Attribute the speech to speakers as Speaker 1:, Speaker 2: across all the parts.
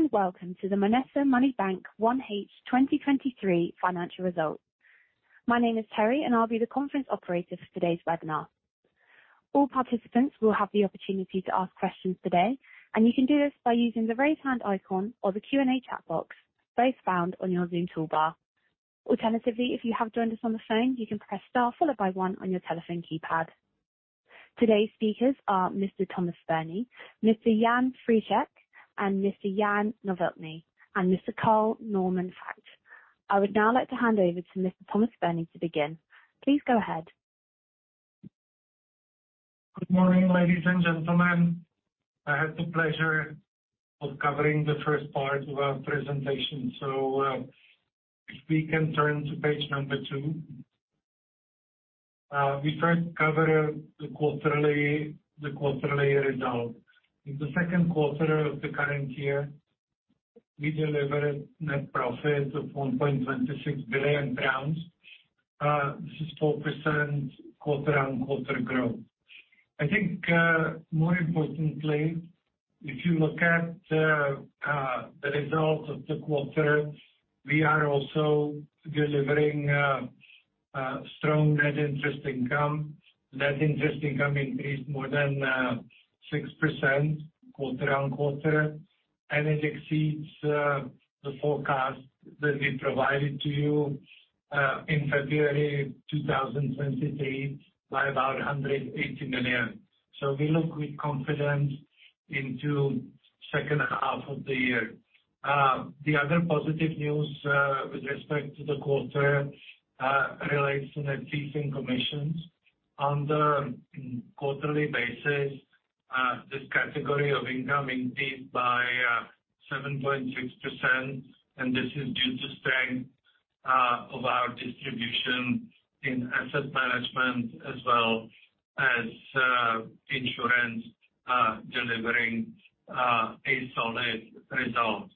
Speaker 1: Hello, welcome to the MONETA Money Bank 1H 2023 Financial Results. My name is Terry, and I'll be the conference operator for today's webinar. All participants will have the opportunity to ask questions today, and you can do this by using the Raise Hand icon or the Q&A chat box, both found on your Zoom toolbar. Alternatively, if you have joined us on the phone, you can press Star followed by 1 on your telephone keypad. Today's speakers are Mr. Tomáš Spurný, Mr. Jan Friček, and Mr. Jan Novotný, and Mr. Carl-Normann Vökt. I would now like to hand over to Mr. Tomáš Spurný to begin. Please go ahead.
Speaker 2: Good morning, ladies and gentlemen. I have the pleasure of covering the first part of our presentation. If we can turn to page number two. We first cover the quarterly result. In the second quarter of the current year, we delivered net profit of CZK 1.26 billion. This is 4% quarter-on-quarter growth. I think, more importantly, if you look at the results of the quarter, we are also delivering strong Net Interest Income. Net Interest Income increased more than 6% quarter-on-quarter, and it exceeds the forecast that we provided to you in February 2023, by about 180 million. We look with confidence into second half of the year. The other positive news with respect to the quarter relates to net fees and commissions. On the quarterly basis, this category of income increased by 7.6%. This is due to strength of our distribution in asset management as well as insurance delivering a solid result.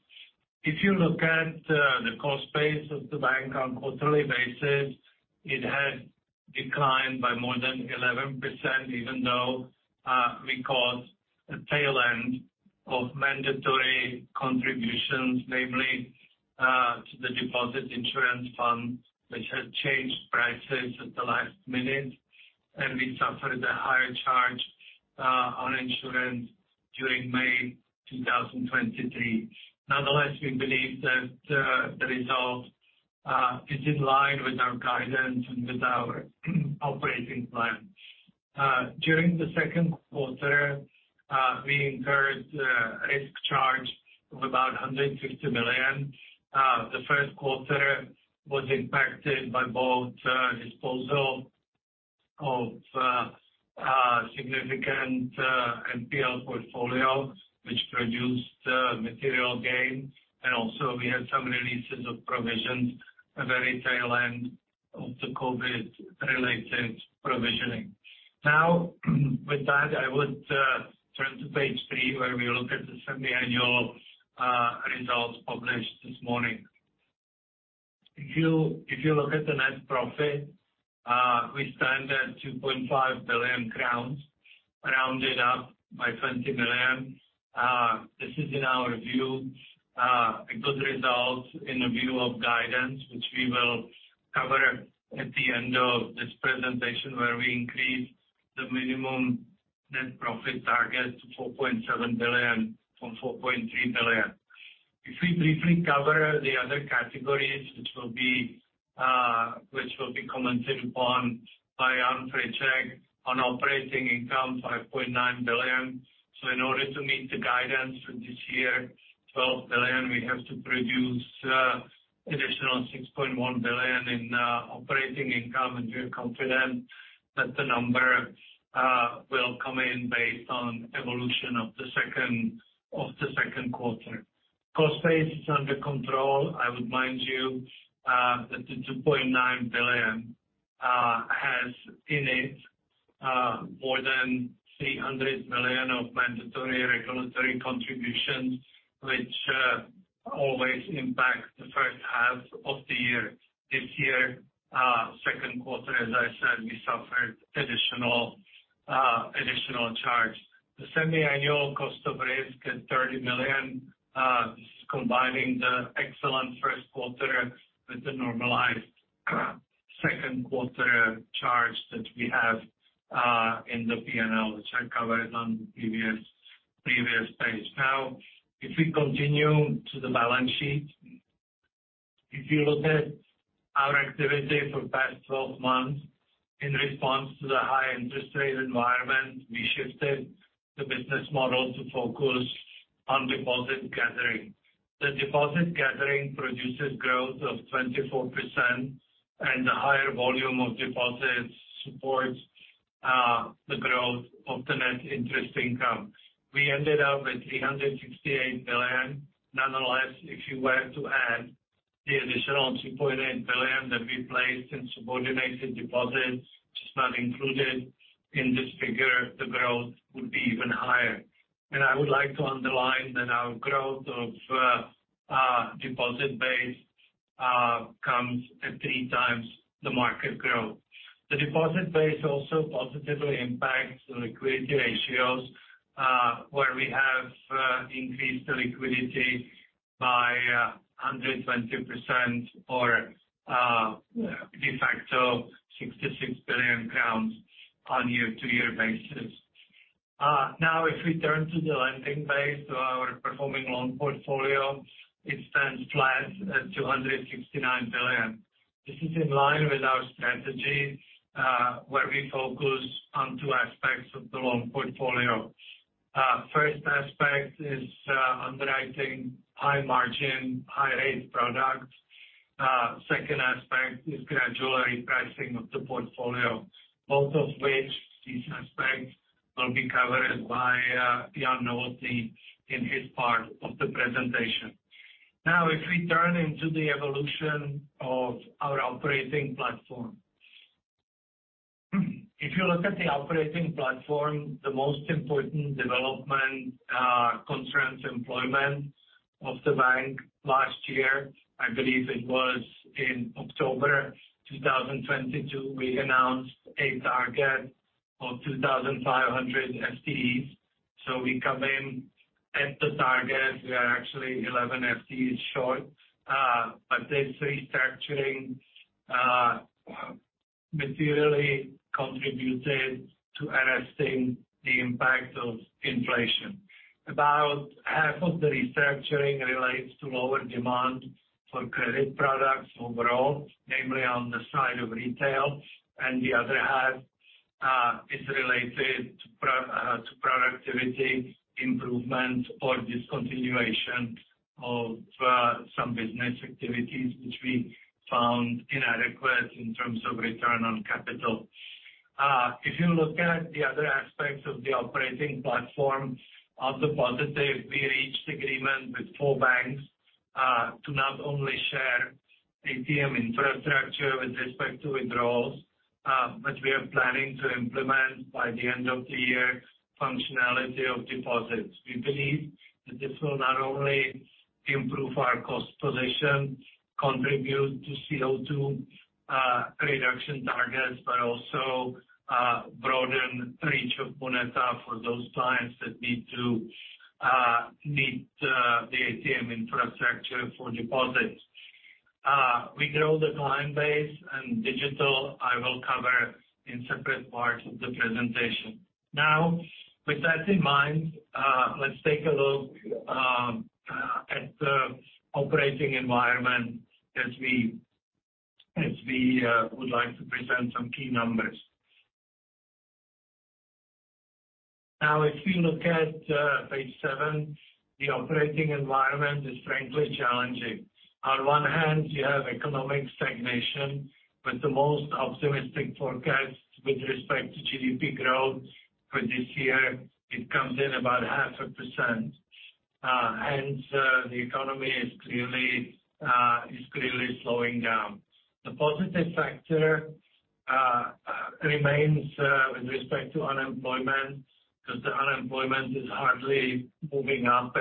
Speaker 2: If you look at the cost base of the bank on quarterly basis, it has declined by more than 11%, even though we caught the tail end of mandatory contributions, namely, to the Deposit Insurance Fund, which has changed prices at the last minute, and we suffered a higher charge on insurance during May 2023. Nonetheless, we believe that the result is in line with our guidance and with our operating plan. During the second quarter, we incurred risk charge of about 150 million. The first quarter was impacted by both disposal of significant NPL portfolio, which produced material gain, and also we had some releases of provisions at the very tail end of the COVID-related provisioning. With that, I would turn to page three, where we look at the semi-annual results published this morning. If you look at the net profit, we stand at 2.5 billion crowns, rounded up by 20 million. This is, in our view, a good result in the view of guidance, which we will cover at the end of this presentation, where we increase the minimum net profit target to 4.7 billion from 4.3 billion. If we briefly cover the other categories, which will be commented upon by Jan Friček, on operating income, 5.9 billion. In order to meet the guidance for this year, 12 billion, we have to produce additional 6.1 billion in operating income, and we are confident that the number will come in based on evolution of the second quarter. Cost base is under control. I would remind you that the 2.9 billion has in it more than 300 million of mandatory regulatory contributions, which always impact the first half of the year. This year, second quarter, as I said, we suffered additional charge. The semi-annual cost of risk is 30 million. This is combining the excellent first quarter with the normalized, second quarter charge that we have in the P&L, which I covered on the previous page. If we continue to the balance sheet, if you look at our activity for the past 12 months, in response to the high interest rate environment, we shifted the business model to focus on deposit gathering. The deposit gathering produces growth of 24%, and the higher volume of deposits supports the growth of the Net Interest Income. We ended up with 368 billion. Nonetheless, if you were to add the additional 2.8 billion that we placed in subordinated deposits, which is not included in this figure, the growth would be even higher. I would like to underline that our growth of deposit base comes at 3 times the market growth. The deposit base also positively impacts the liquidity ratios, where we have increased the liquidity by 120% or de facto 66 billion crowns on a year-to-year basis. If we turn to the lending base, so our performing loan portfolio, it stands flat at 269 billion. This is in line with our strategy, where we focus on two aspects of the loan portfolio. First aspect is underwriting high margin, high rate products. Second aspect is gradually pricing of the portfolio, both of which these aspects will be covered by Jan Novotný in his part of the presentation. If we turn into the evolution of our operating platform. If you look at the operating platform, the most important development concerns employment of the bank. Last year, I believe it was in October 2022, we announced a target of 2,500 FTEs. We come in at the target. We are actually 11 FTEs short, but this restructuring materially contributed to arresting the impact of inflation. About half of the restructuring relates to lower demand for credit products overall, namely on the side of retail, and the other half is related to productivity improvement or discontinuation of some business activities which we found inadequate in terms of return on capital. If you look at the other aspects of the operating platform, on the positive, we reached agreement with four banks to not only share ATM infrastructure with respect to withdrawals, but we are planning to implement by the end of the year, functionality of deposits. We believe that this will not only improve our cost position, contribute to CO2 reduction targets, but also broaden the reach of MONETA for those clients that need to meet the ATM infrastructure for deposits. We grow the client base and digital, I will cover in separate parts of the presentation. With that in mind, let's take a look at the operating environment as we would like to present some key numbers. If you look at page seven, the operating environment is frankly challenging. On one hand, you have economic stagnation, with the most optimistic forecast with respect to GDP growth for this year, it comes in about 0.5%. Hence, the economy is clearly slowing down. The positive factor remains with respect to unemployment, because the unemployment is hardly moving up.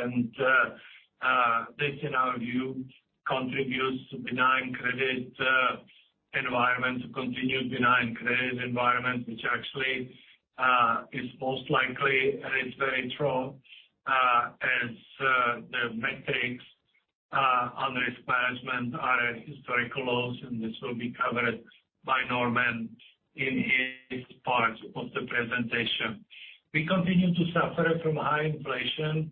Speaker 2: This, in our view, contributes to benign credit environment, to continued benign credit environment, which actually is most likely and it's very true, as the metrics on risk management are at historical lows, and this will be covered by Norman in his part of the presentation. We continue to suffer from high inflation,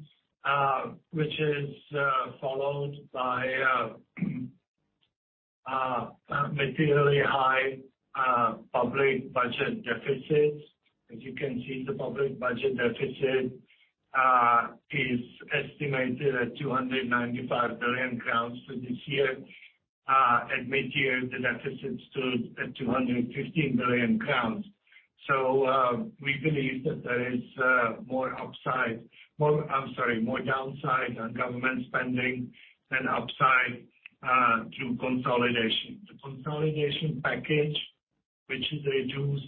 Speaker 2: which is followed by materially high public budget deficits. As you can see, the public budget deficit is estimated at 295 billion crowns for this year. At mid-year, the deficit stood at 215 billion crowns. We believe that there is more downside on government spending and upside through consolidation. The consolidation package, which is reduce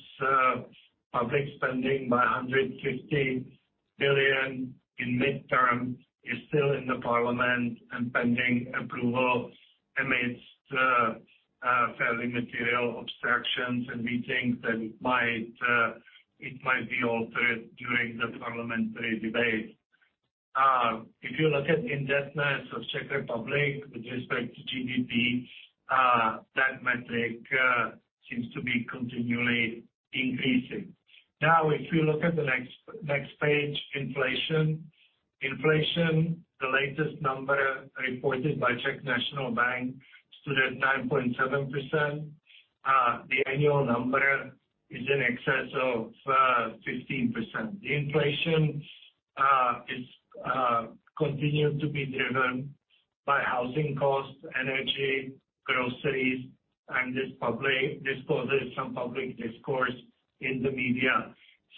Speaker 2: public spending by 150 billion in midterm, is still in the Parliament and pending approval amidst fairly material obstructions. We think that it might be altered during the parliamentary debate. If you look at indebtedness of Czech Republic with respect to GDP, that metric seems to be continually increasing. If you look at the next page, inflation. Inflation, the latest number reported by Czech National Bank, stood at 9.7%. The annual number is in excess of 15%. The inflation is continues to be driven by housing costs, energy, groceries, and this causes some public discourse in the media.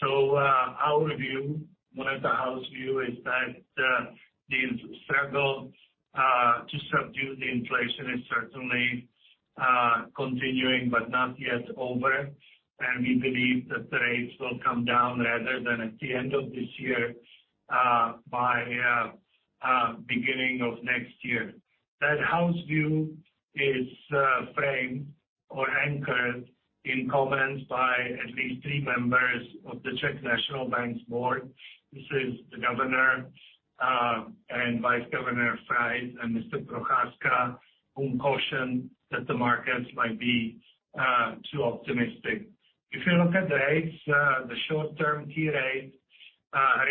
Speaker 2: Our view, one of the house view, is that the struggle to subdue the inflation is certainly... continuing but not yet over. We believe that the rates will come down rather than at the end of this year, by beginning of next year. That house view is framed or anchored in comments by at least three members of the Czech National Bank's board. This is the governor, and Vice Governor Frait and Mr. Procházka, whom cautioned that the markets might be too optimistic. If you look at the rates, the short-term key rate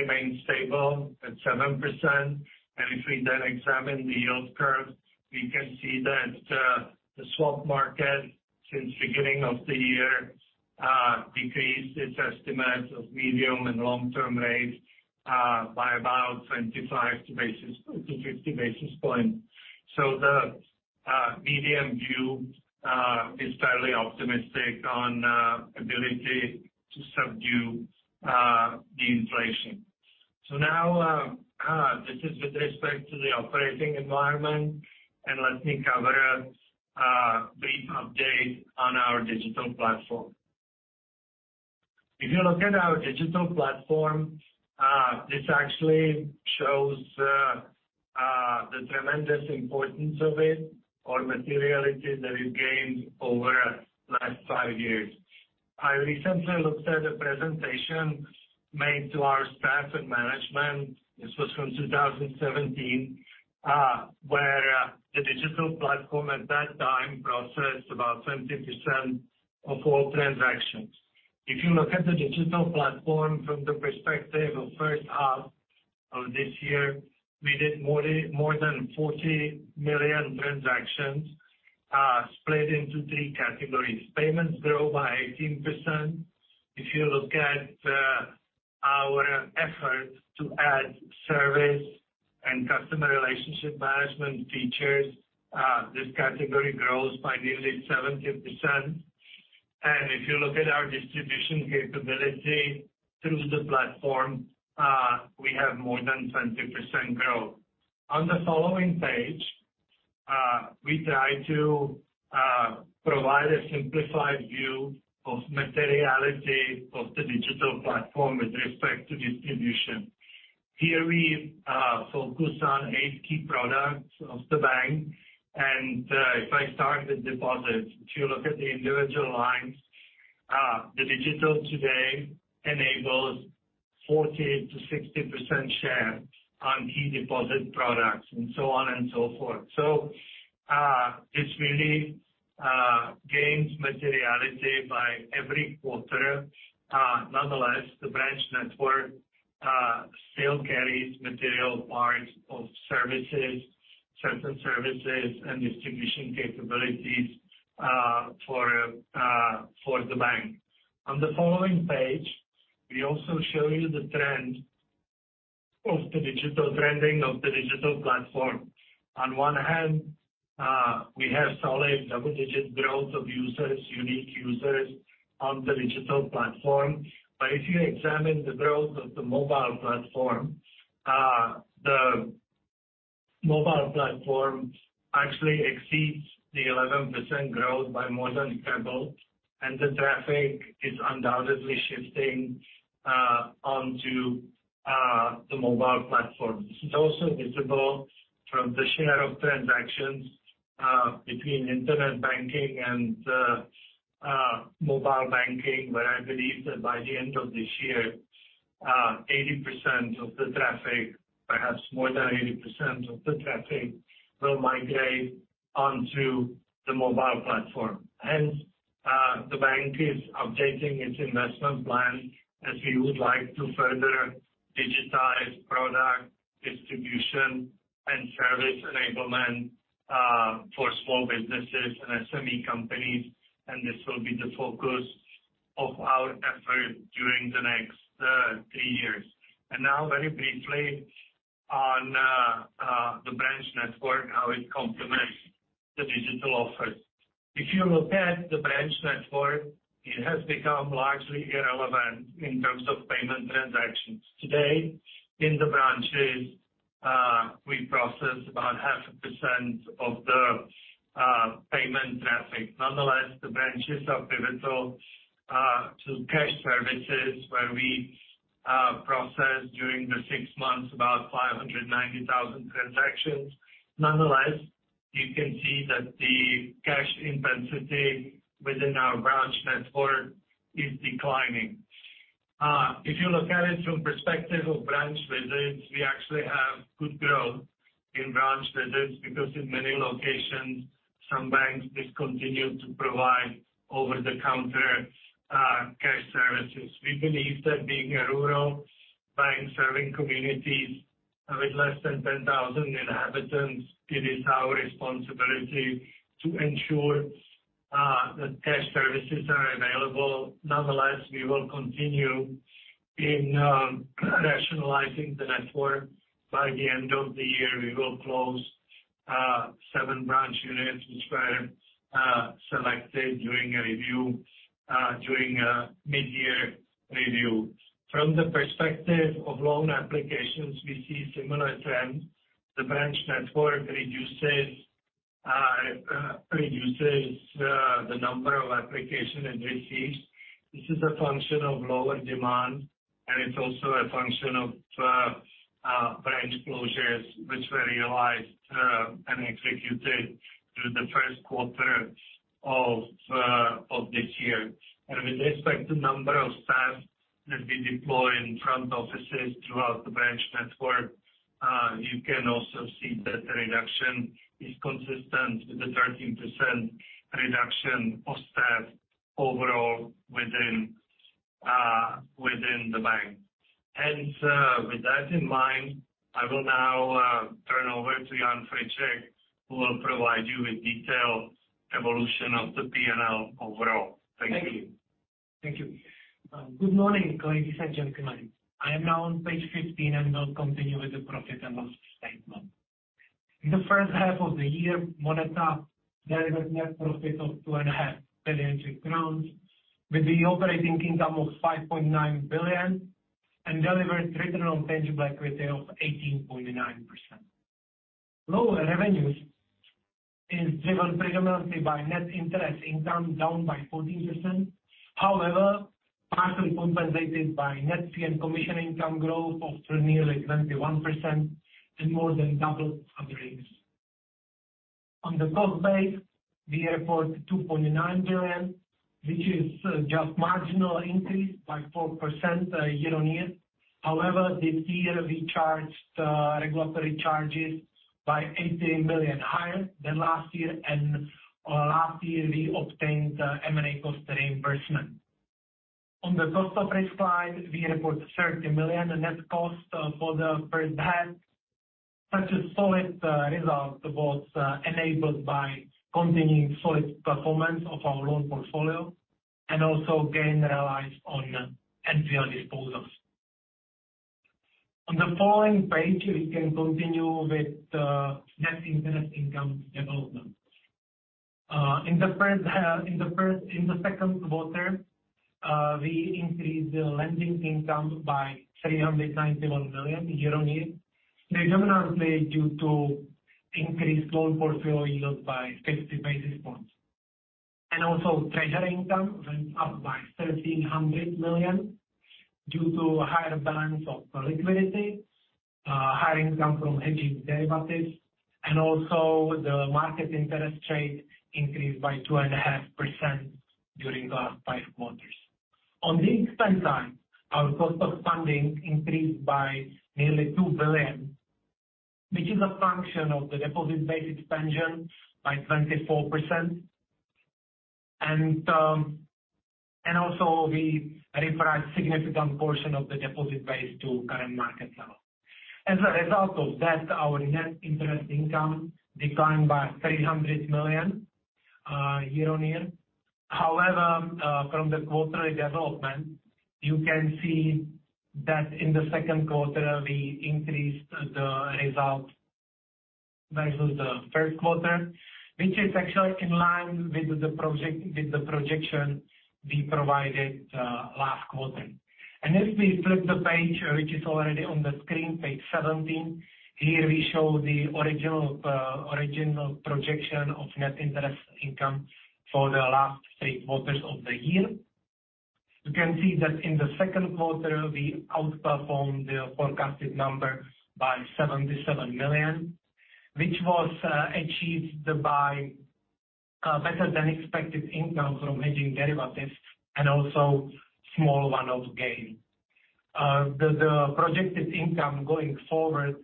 Speaker 2: remains stable at 7%, if we then examine the yield curve, we can see that the swap market, since beginning of the year, decreased its estimates of medium and long-term rates, by about 25 basis-50 basis points. The medium view is fairly optimistic on ability to subdue the inflation. Now, this is with respect to the operating environment, and let me cover a brief update on our digital platform. If you look at our digital platform, this actually shows the tremendous importance of it, or materiality that it gained over the last five years. I recently looked at a presentation made to our staff and management. This was from 2017, where the digital platform at that time processed about 20% of all transactions. If you look at the digital platform from the perspective of first half of this year, we did more than 40 million transactions, split into three categories. Payments grew by 18%. If you look at our effort to add service and customer relationship management features, this category grows by nearly 17%. If you look at our distribution capability through the platform, we have more than 20% growth. On the following page, we try to provide a simplified view of materiality of the digital platform with respect to distribution. Here we focus on eight key products of the bank, and if I start with deposits, if you look at the individual lines, the digital today enables 40%-60% share on key deposit products, and so on and so forth. This really gains materiality by every quarter. Nonetheless, the branch network still carries material parts of services, certain services, and distribution capabilities for the bank. On the following page, we also show you the trend of the digital trending of the digital platform. On one hand, we have solid double-digit growth of users, unique users on the digital platform. If you examine the growth of the mobile platform, the mobile platform actually exceeds the 11% growth by more than double, and the traffic is undoubtedly shifting onto the mobile platform. It's also visible from the share of transactions between internet banking and mobile banking, but I believe that by the end of this year, 80% of the traffic, perhaps more than 80% of the traffic, will migrate onto the mobile platform. The bank is updating its investment plan, as we would like to further digitize product distribution and service enablement for small businesses and SME companies, and this will be the focus of our effort during the next three years. Now, very briefly on the branch network, how it complements the digital offers. If you look at the branch network, it has become largely irrelevant in terms of payment transactions. Today, in the branches, we process about 0.5% of the payment traffic. Nonetheless, the branches are pivotal to cash services, where we process during the six months, about 590,000 transactions. Nonetheless, you can see that the cash intensity within our branch network is declining. If you look at it from perspective of branch visits, we actually have good growth in branch visits, because in many locations, some banks discontinue to provide over-the-counter cash services. We believe that being a rural bank, serving communities with less than 10,000 inhabitants, it is our responsibility to ensure that cash services are available. Nonetheless, we will continue in rationalizing the network. By the end of the year, we will close seven branch units, which were selected during a review during a mid-year review. From the perspective of loan applications, we see similar trends. The branch network reduces. It reduces the number of application it receives. This is a function of lower demand, and it's also a function of branch closures, which were realized and executed through the first quarter of this year. With respect to number of staff that we deploy in front offices throughout the branch network, you can also see that the reduction is consistent with the 13% reduction of staff overall within the bank. With that in mind, I will now turn over to Jan Friček, who will provide you with detailed evolution of the PnL overall. Thank you.
Speaker 3: Thank you. Thank you. Good morning, ladies and gentlemen. I am now on page 15, and we'll continue with the profit and loss statement. In the first half of the year, MONETA delivered net profit of 2.5 billion, with the operating income of 5.9 billion, and delivered Return on Tangible Equity of 18.9%. Lower revenues is driven predominantly by Net Interest Income, down by 14%. However, partially compensated by net fee and commission income growth of nearly 21%, and more than double operating. On the cost base, we report 2.9 billion, which is just marginal increase by 4% year-on-year. However, this year we charged regulatory charges by 80 million higher than last year. Last year we obtained the M&A cost reimbursement. On the cost of risk slide, we report 30 million in net cost for the first half. Such a solid result was enabled by continuing solid performance of our loan portfolio, also gain realized on NPL disposals. On the following page, we can continue with the Net Interest Income development. In the second quarter, we increased the lending income by 391 million year-on-year, predominantly due to increased loan portfolio yield by 60 basis points. Also, treasure income went up by 1,300 million due to higher balance of liquidity, higher income from hedging derivatives, and also the market interest rate increased by 2.5% during the last five quarters. On the expense side, our cost of funding increased by nearly 2 billion, which is a function of the deposit-based expansion by 24%. Also we repriced significant portion of the deposit base to current market level. As a result of that, our Net Interest Income declined by 300 million year-on-year. However, from the quarterly development, you can see that in the second quarter, we increased the result versus the first quarter, which is actually in line with the projection we provided last quarter. If we flip the page, which is already on the screen, page 17, here we show the original projection of Net Interest Income for the last 3 quarters of the year. You can see that in the second quarter, we outperformed the forecasted number by 77 million, which was achieved by better than expected income from hedging derivatives and also small one-off gain. The projected income going forward,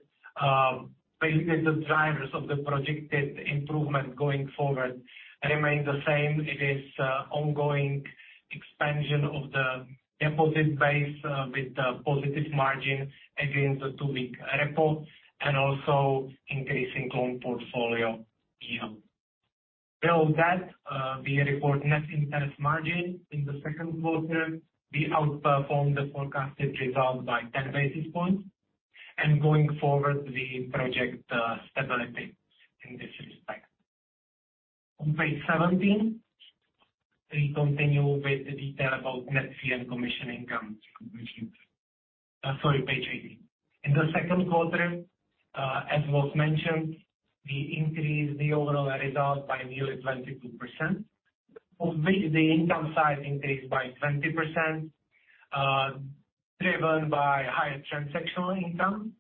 Speaker 3: basically, the drivers of the projected improvement going forward remain the same. It is ongoing expansion of the deposit base with the positive margin against the two-week repo, and also increasing loan portfolio yield. Below that, we report Net Interest Margin in the second quarter. We outperformed the forecasted result by 10 basis points. Going forward, we project stability in this respect. On page 17, we continue with the detail about net fee and commission income. Sorry, page 18. In the second quarter, as was mentioned, we increased the overall result by nearly 22%, of which the income side increased by 20%, driven by higher transactional income,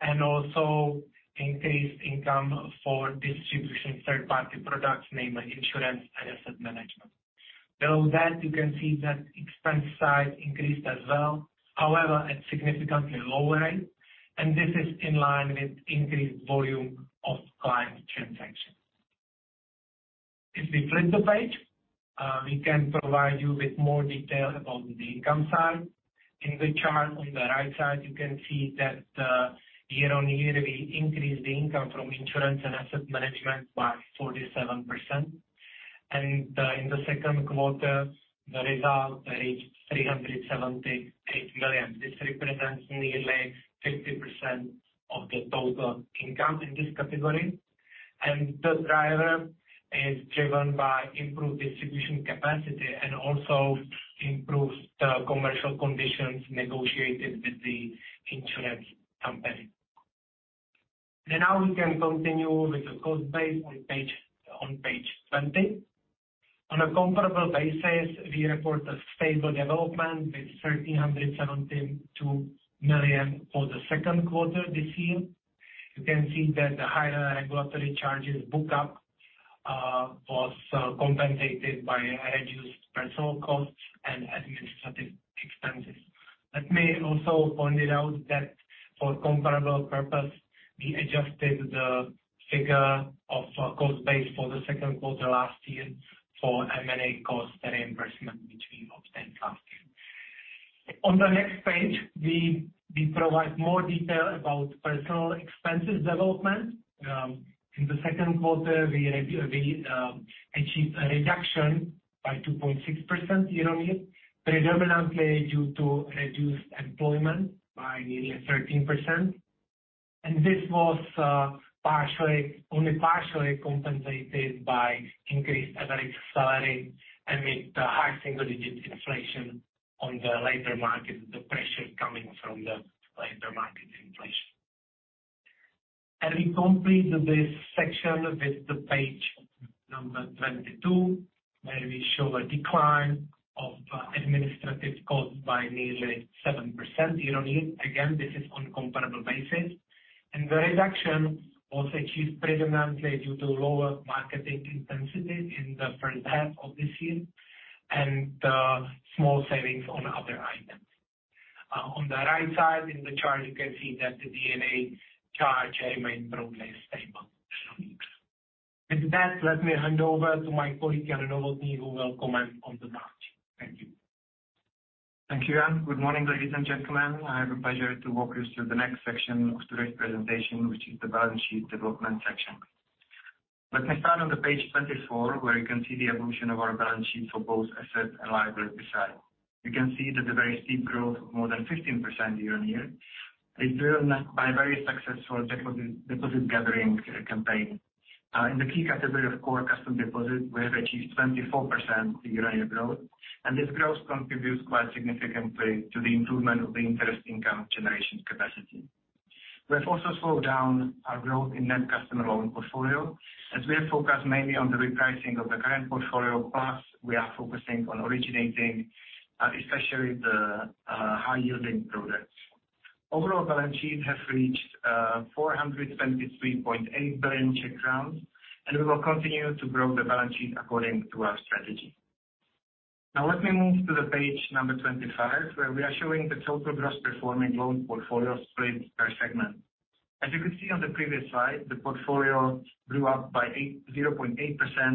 Speaker 3: and also increased income for distribution third-party products, namely insurance and asset management. Below that, you can see that expense side increased as well. At significantly lower rate, this is in line with increased volume of client transactions. If we flip the page, we can provide you with more detail about the income side. In the chart on the right side, you can see that, year-on-year, we increased the income from insurance and asset management by 47%. In the second quarter, the result reached 378 million. This represents nearly 50% of the total income in this category. Is driven by improved distribution capacity and also improves the commercial conditions negotiated with the insurance company. Now we can continue with the cost base on page 20. On a comparable basis, we report a stable development with 1,372 million for the second quarter this year. You can see that the higher regulatory charges book up was compensated by reduced personal costs and administrative expenses. Let me also point it out that for comparable purpose, we adjusted the figure of our cost base for the second quarter last year for M&A cost reimbursement, which we obtained last year. On the next page, we provide more detail about personal expenses development. In the second quarter, we achieved a reduction by 2.6% year-on-year, predominantly due to reduced employment by nearly 13%. This was partially, only partially compensated by increased average salary amid the high single-digit inflation on the labor market, the pressure coming from the labor market inflation. We complete this section with the page number 22, where we show a decline of administrative costs by nearly 7% year-on-year. Again, this is on comparable basis. The reduction was achieved predominantly due to lower marketing intensity in the first half of this year, and small savings on other items. On the right side, in the chart, you can see that the D&A charge remained broadly stable. With that, let me hand over to my colleague, Jan Novotný, who will comment on the march.
Speaker 4: Thank you. Thank you, Jan. Good morning, ladies and gentlemen. I have a pleasure to walk you through the next section of today's presentation, which is the balance sheet development section. Let me start on the page 24, where you can see the evolution of our balance sheet for both asset and liability side. You can see that the very steep growth, more than 15% year-on-year, is driven by very successful deposit gathering campaign. In the key category of core custom deposit, we have achieved 24% year-on-year growth, and this growth contributes quite significantly to the improvement of the interest income generation capacity. We have also slowed down our growth in net customer loan portfolio, as we are focused mainly on the repricing of the current portfolio, plus we are focusing on originating, especially the high-yielding products. Overall, balance sheet has reached 423.8 billion, and we will continue to grow the balance sheet according to our strategy. Now let me move to the page number 25, where we are showing the total gross performing loan portfolio split per segment. As you could see on the previous slide, the portfolio grew up by 0.8%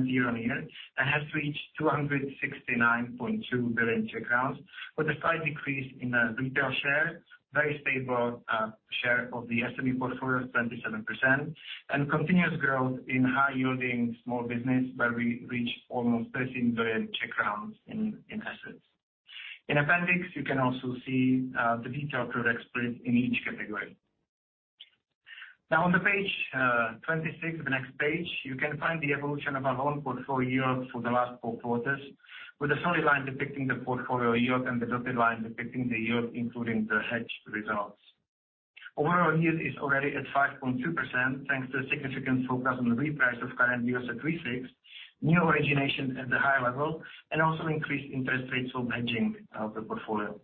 Speaker 4: year-over-year and has reached 269.2 billion, with a slight decrease in the retail share, very stable share of the SME portfolio, 27%, and continuous growth in high-yielding small business, where we reach almost 13 billion in assets. In appendix, you can also see the detailed product split in each category. On the page 26, the next page, you can find the evolution of our loan portfolio for the last four quarters, with the solid line depicting the portfolio yield and the dotted line depicting the yield, including the hedged results. Overall yield is already at 5.2%, thanks to significant focus on the reprice of current yields at 3.6% new origination at the higher level, and also increased interest rates for hedging the portfolio.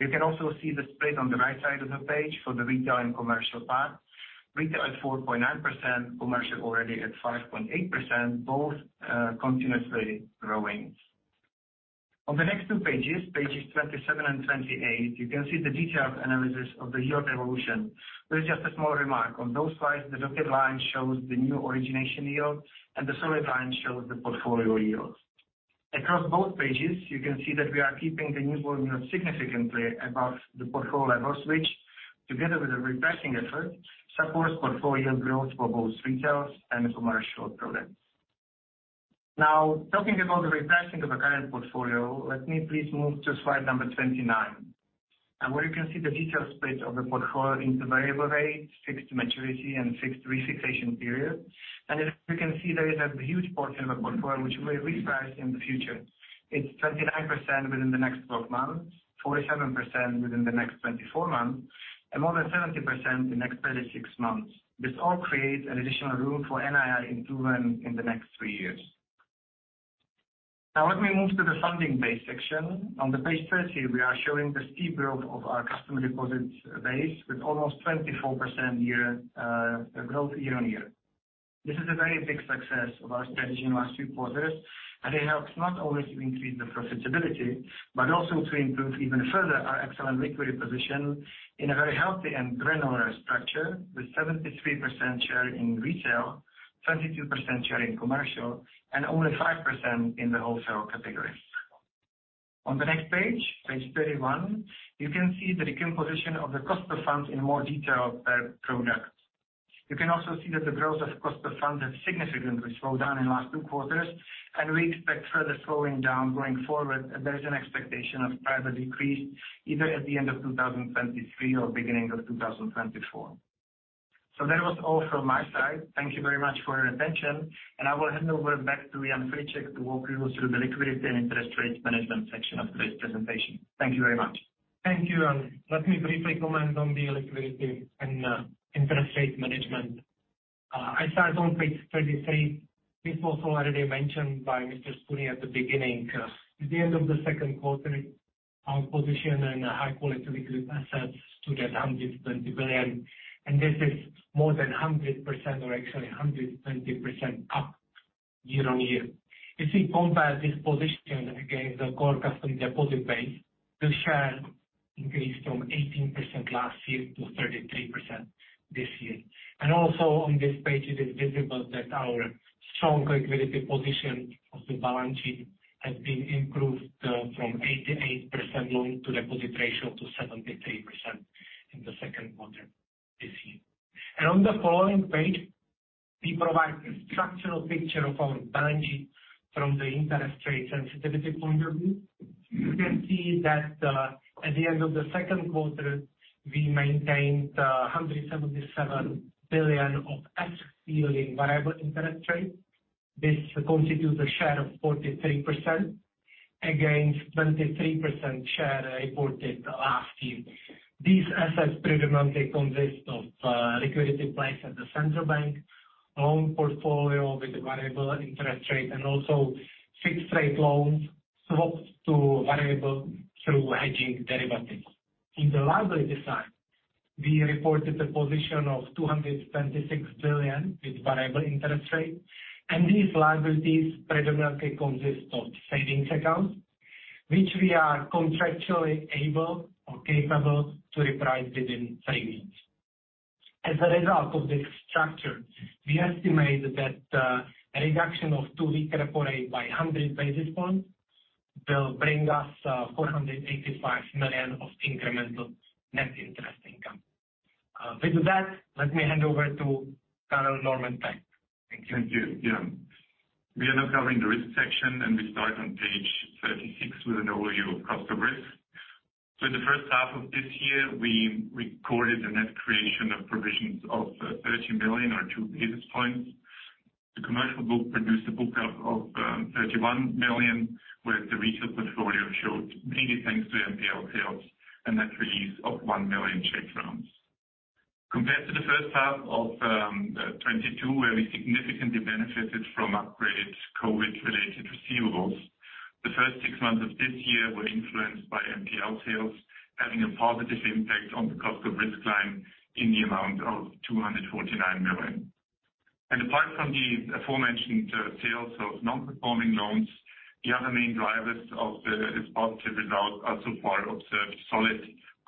Speaker 4: You can also see the split on the right side of the page for the retail and commercial part. Retail at 4.9%, commercial already at 5.8%, both continuously growing. On the next 2 pages 27 and 28, you can see the detailed analysis of the yield evolution. There's just a small remark. On those slides, the dotted line shows the new origination yield, and the solid line shows the portfolio yield. Across both pages, you can see that we are keeping the new volume significantly above the portfolio level, which, together with the repricing effort, supports portfolio growth for both retail and commercial products. Talking about the repricing of the current portfolio, let me please move to slide number 29, where you can see the detailed split of the portfolio into variable rate, fixed maturity, and fixed re-fixation period. As you can see, there is a huge portion of the portfolio which we may reprice in the future. It's 29% within the next 12 months, 47% within the next 24 months, and more than 70% in the next 36 months. This all creates an additional room for NII improvement in the next three years. Now let me move to the funding base section. On page 30, we are showing the steep growth of our customer deposits base, with almost 24% growth year-on-year. This is a very big success of our strategy in last two quarters, and it helps not only to increase the profitability, but also to improve even further our excellent liquidity position in a very healthy and granular structure, with 73% share in retail, 32% share in commercial, and only 5% in the wholesale categories. On the next page 31, you can see the decomposition of the cost of funds in more detail per product. You can also see that the growth of cost of funds has significantly slowed down in last two quarters. We expect further slowing down going forward. There is an expectation of further decrease either at the end of 2023 or beginning of 2024. That was all from my side. Thank you very much for your attention. I will hand over back to Jan Friček, to walk you through the liquidity and interest rate management section of today's presentation. Thank you very much.
Speaker 3: Thank you, and let me briefly comment on the liquidity and interest rate management. I start on page 33. This was already mentioned by Mr. Spurný at the beginning. At the end of the second quarter, our position and high quality liquid assets stood at 120 billion, and this is more than 100% or actually 120% up year-over-year. If we compare this position against the core customer deposit base, the share increased from 18% last year to 33% this year. Also on this page, it is visible that our strong liquidity position of the balance sheet has been improved from 88% loan-to-deposit ratio to 73% in the second quarter this year. On the following page, we provide a structural picture of our balance sheet from the interest rate sensitivity point of view. You can see that, at the end of the second quarter, we maintained 177 billion of S yielding variable interest rate. This constitutes a share of 43%, against 23% share reported last year. These assets predominantly consist of liquidity placed at the Czech National Bank, loan portfolio with variable interest rate, and also fixed rate loans swaps to variable through hedging derivatives. In the liability side, we reported a position of 226 billion with variable interest rate, and these liabilities predominantly consist of savings accounts, which we are contractually able or capable to reprice within three weeks. As a result of this structure, we estimate that the reduction of two-week repo rate by 100 basis points will bring us 485 million of incremental net interest income. With that, let me hand over to Carl Normann Vökt. Thank you.
Speaker 5: Thank you, Jan. We are now covering the risk section. We start on page 36 with an overview of cost of risk. In the first half of this year, we recorded a net creation of provisions of 13 billion or two basis points. The commercial book produced a book of 31 million, where the retail portfolio showed, mainly thanks to NPL sales, a net release of 1 million. Compared to the first half of 2022, where we significantly benefited from upgraded COVID-related receivables, the first six months of this year were influenced by NPL sales, having a positive impact on the cost of risk line in the amount of 249 million. Apart from the aforementioned sales of non-performing loans, the other main drivers of this positive result are so far observed solid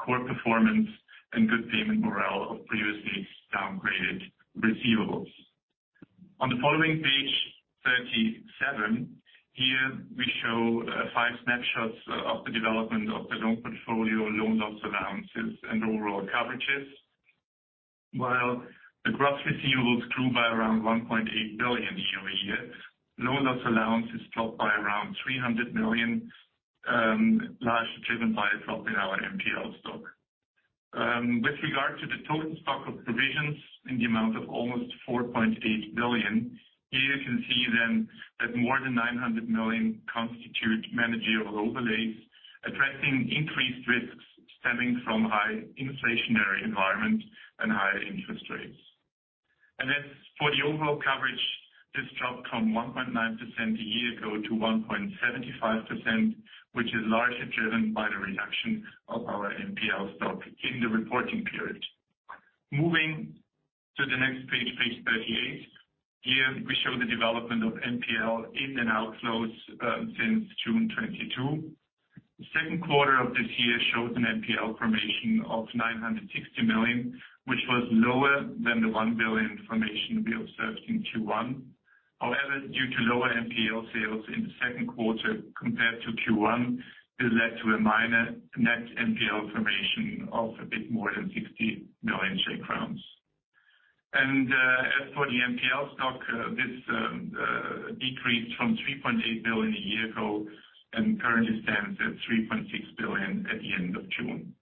Speaker 5: core performance and good payment morale of previously downgraded receivables. On the following page, 37, here we show five snapshots of the development of the loan portfolio, loan loss allowances and overall coverages. While the gross receivables grew by around 1.8 billion year-over-year, loan loss allowances dropped by around 300 million, largely driven by a drop in our NPL stock. With regard to the total stock of provisions in the amount of almost 4.8 billion, here you can see then, that more than 900 million constitute managerial overlays, addressing increased risks stemming from high inflationary environment and higher interest rates. As for the overall coverage, this dropped from 1.9% a year ago to 1.75%, which is largely driven by the reduction of our NPL stock in the reporting period. Moving to the next page 38. Here, we show the development of NPL in and outflows since June 2022. The second quarter of this year shows an NPL formation of 960 million, which was lower than the 1 billion formation we observed in Q1. However, due to lower NPL sales in the second quarter compared to Q1, it led to a minor net NPL formation of a bit more than 60 million. As for the NPL stock, this decreased from 3.8 billion a year ago and currently stands at 3.6 billion at the end of June.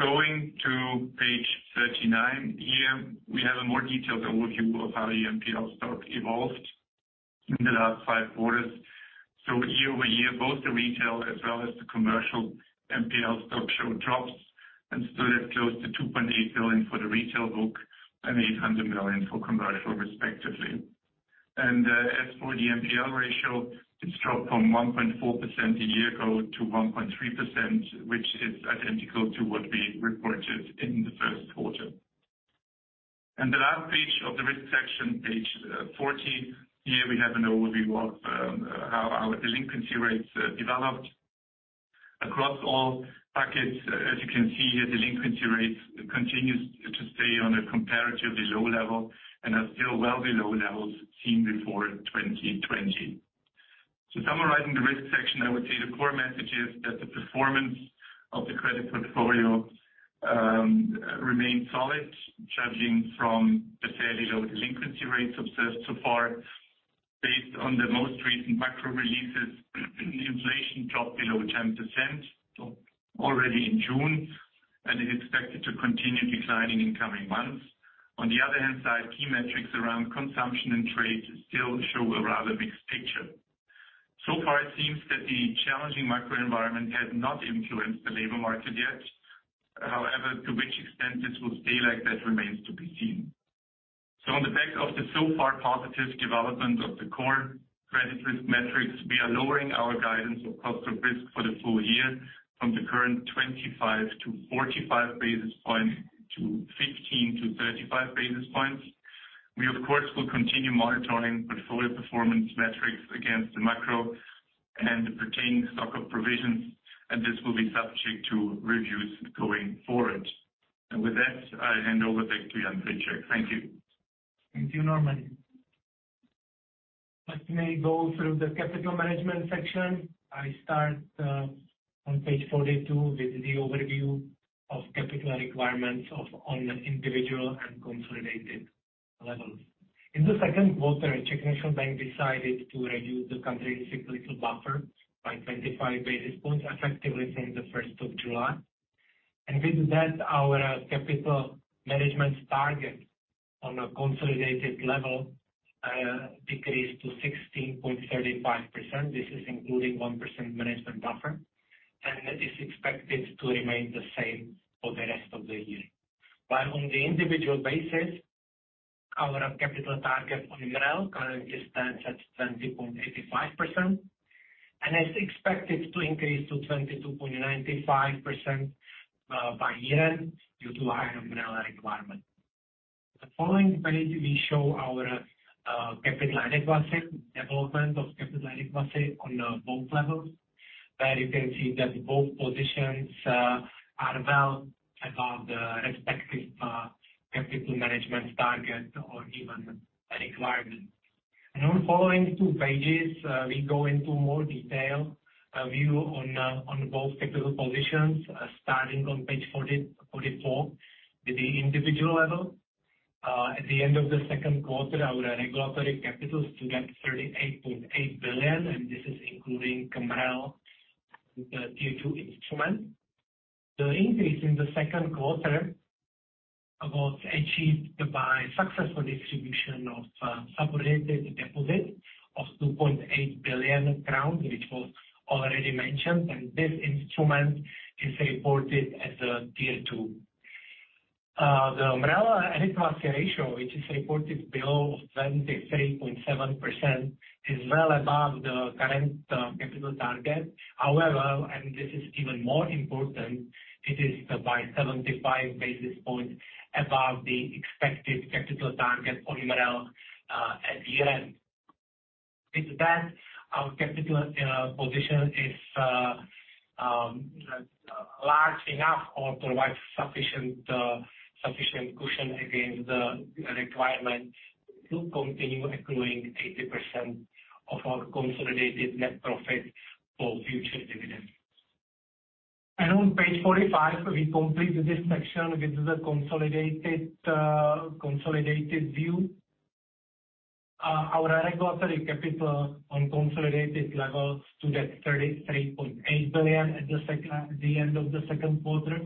Speaker 5: Going to page 39, here, we have a more detailed overview of how the NPL stock evolved in the last five quarters. Year-over-year, both the retail as well as the commercial NPL stock show drops and stood at close to 2.8 billion for the retail book and 800 million for commercial, respectively. As for the NPL ratio, it's dropped from 1.4% a year ago to 1.3%, which is identical to what we reported in the first quarter. The last page of the risk section, page 40. Here we have an overview of how our delinquency rates developed. Across all packets, as you can see here, delinquency rates continue to stay on a comparatively low level and are still well below levels seen before 2020. Summarizing the risk section, I would say the core message is that the performance of the credit portfolio remains solid, judging from the fairly low delinquency rates observed so far. Based on the most recent macro releases, the inflation dropped below 10% already in June, and is expected to continue declining in coming months. On the other hand side, key metrics around consumption and trade still show a rather mixed picture. So far, it seems that the challenging macro environment has not influenced the labor market yet. However, to which extent this will stay like that remains to be seen. On the back of the so far positive development of the core cost of risk metrics, we are lowering our guidance of cost of risk for the full year from the current 25-45 basis points to 15-35 basis points. We, of course, will continue monitoring portfolio performance metrics against the macro and the pertaining stock of provisions, and this will be subject to reviews going forward. With that, I hand over back to Jan Friček. Thank you.
Speaker 3: Thank you, Norman. Let me go through the capital management section. I start on page 42 with the overview of capital requirements of on an individual and consolidated levels. In the second quarter, Czech National Bank decided to reduce the country's cyclical buffer by 25 basis points, effectively from the 1st of July. With that, our capital management target on a consolidated level decreased to 16.35%. This is including 1% management buffer, and it is expected to remain the same for the rest of the year. While on the individual basis, our capital target on MREL currently stands at 20.85%, and it's expected to increase to 22.95% by year-end, due to higher MREL requirement. The following page, we show our capital adequacy, development of capital adequacy on the both levels, where you can see that both positions are well above the respective capital management target or even requirement. On the following two pages, we go into more detail, a view on both capital positions, starting on page 40, 44, with the individual level. At the end of the second quarter, our regulatory capital stood at 38.8 billion CZK, and this is including MREL, the Tier 2 instrument. The increase in the second quarter was achieved by successful distribution of subordinated deposits of 2.8 billion crowns, which was already mentioned, and this instrument is reported as a Tier 2. The MREL adequacy ratio, which is reported below of 23.7%, is well above the current capital target. This is even more important, it is by 75 basis points above the expected capital target for MREL at year-end. With that, our capital position is large enough or provides sufficient sufficient cushion against the requirement to continue accruing 80% of our consolidated net profit for future dividends. On page 45, we complete this section with the consolidated consolidated view. Our regulatory capital on consolidated level stood at CZK 33.8 billion At the end of the second quarter.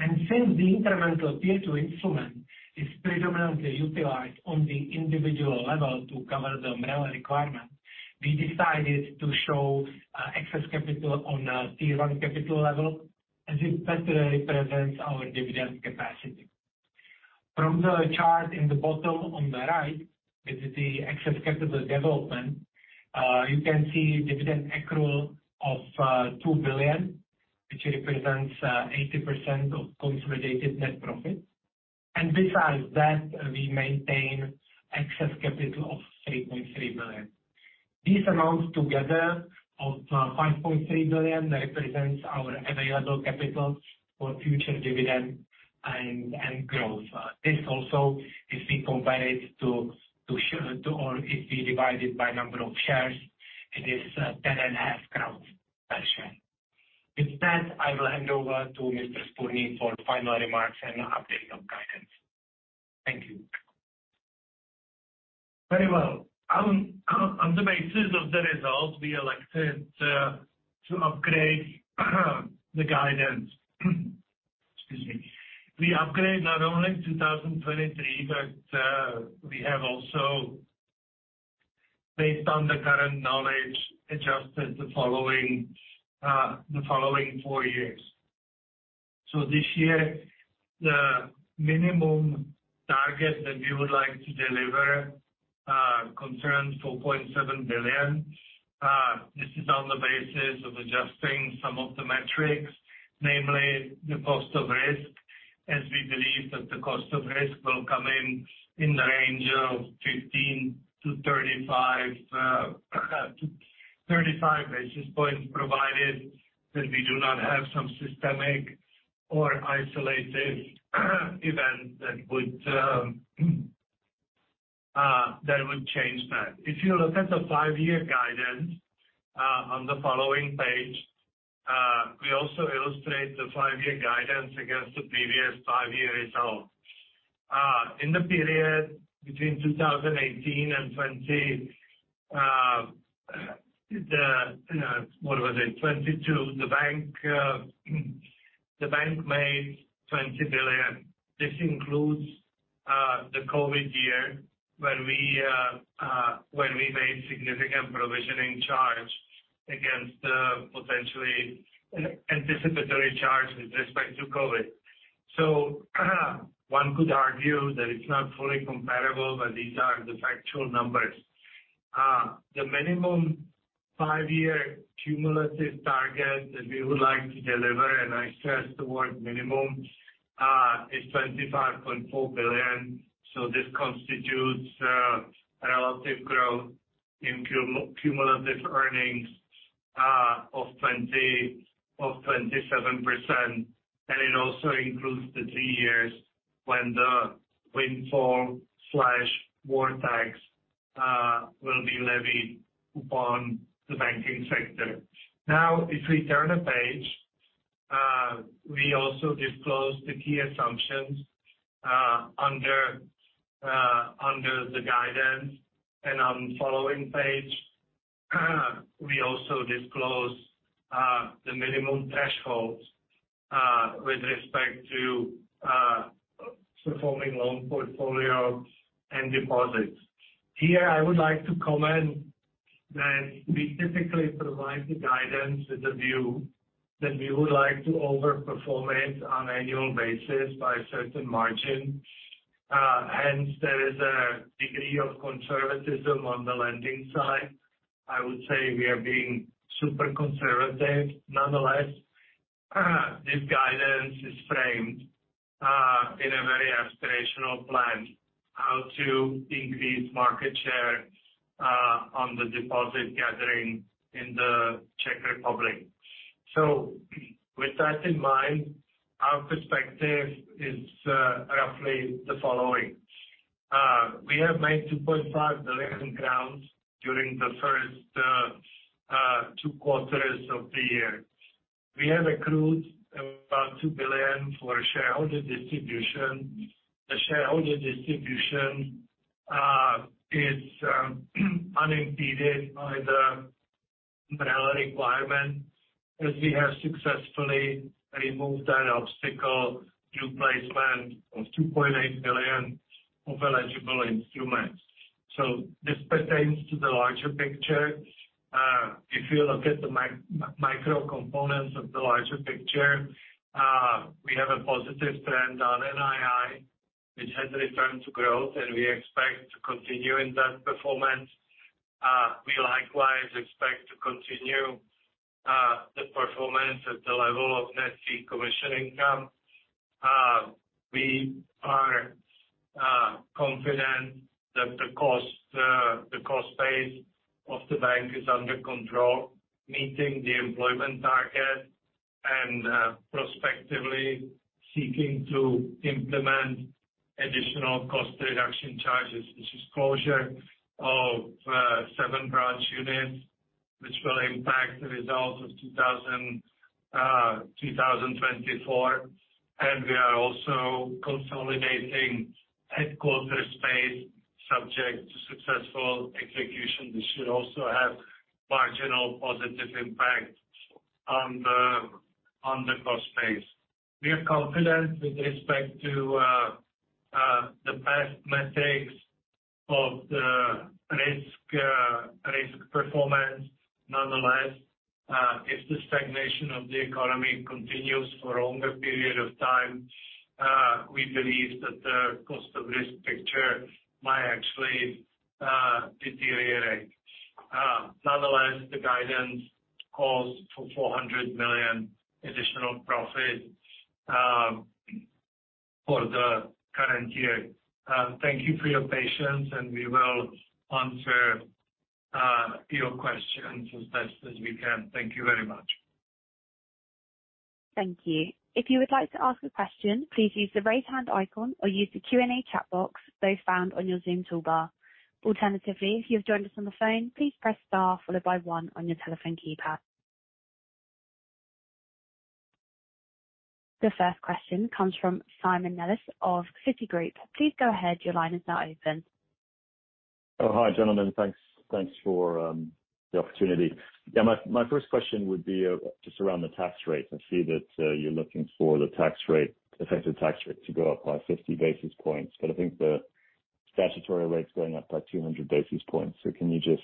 Speaker 3: Since the incremental Tier 2 instrument is predominantly utilized on the individual level to cover the MREL requirement, we decided to show excess capital on a Tier 1 capital level, as it better represents our dividend capacity. From the chart in the bottom on the right, with the excess capital development, you can see dividend accrual of 2 billion, which represents 80% of consolidated net profit. Besides that, we maintain excess capital of 3.3 billion. These amounts together of 5.3 billion represents our available capital for future dividend and growth. This also, if we compare it to share, or if we divide it by number of shares, it is 10.5 crowns per share. With that, I will hand over to Mr. Spurný for final remarks and update on guidance. Thank you.
Speaker 2: Very well. On the basis of the results, we elected to upgrade the guidance. Excuse me. We upgrade not only 2023, but we have also, based on the current knowledge, adjusted the following four years. This year, the minimum target that we would like to deliver concerns 4.7 billion. This is on the basis of adjusting some of the metrics, namely the cost of risk, as we believe that the cost of risk will come in the range of 15-35 basis points, provided that we do not have some systemic or isolated event that would change that. If you look at the five-year guidance on the following page. We also illustrate the five-year guidance against the previous five-year result. In the period between 2018 and 2020, the bank made 20 billion. This includes the COVID year, when we made significant provisioning charge against the potentially an anticipatory charge with respect to COVID. One could argue that it's not fully comparable, but these are the factual numbers. The minimum five-year cumulative target that we would like to deliver, and I stress the word minimum, is 25.4 billion. This constitutes relative growth in cumulative earnings of 27%, and it also includes the three years when the windfall tax will be levied upon the banking sector. If we turn a page, we also disclose the key assumptions under under the guidance, and on following page, we also disclose the minimum thresholds with respect to performing loan portfolios and deposits. Here, I would like to comment that we typically provide the guidance with the view that we would like to over-perform it on annual basis by a certain margin. There is a degree of conservatism on the lending side. I would say we are being super conservative. This guidance is framed in a very aspirational plan, how to increase market share on the deposit gathering in the Czech Republic. With that in mind, our perspective is roughly the following. We have made 2.5 billion crowns during the first two quarters of the year. We have accrued about 2 billion for shareholder distribution. The shareholder distribution is unimpeded by the MREL requirement, as we have successfully removed an obstacle due placement of 2.8 billion of eligible instruments. This pertains to the larger picture. If you look at the micro components of the larger picture, we have a positive trend on NII, which has returned to growth, and we expect to continue in that performance. We likewise expect to continue the performance at the level of net fee commission income. We are confident that the cost base of the bank is under control, meeting the employment target and prospectively seeking to implement additional cost reduction charges. This is closure of seven branch units, which will impact the results of 2024, and we are also consolidating headquarters space, subject to successful execution. This should also have marginal positive impact on the cost base. We are confident with respect to the past mistakes of the risk performance. If the stagnation of the economy continues for a longer period of time, we believe that the cost of risk picture might actually deteriorate. The guidance calls for 400 million additional profit for the current year. Thank you for your patience, and we will answer your questions as best as we can. Thank you very much.
Speaker 1: Thank you. If you would like to ask a question, please use the raise hand icon or use the Q&A chat box, both found on your Zoom toolbar. Alternatively, if you've joined us on the phone, please press star followed by one on your telephone keypad. The first question comes from Simon Nellis of Citigroup. Please go ahead. Your line is now open.
Speaker 6: Oh, hi, gentlemen. Thanks for the opportunity. My first question would be just around the tax rate. I see that you're looking for the tax rate, effective tax rate, to go up by 50 basis points, but I think the statutory rate is going up by 200 basis points. Can you just